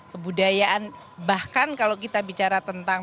kebudayaan bahkan kalau kita bicara tentang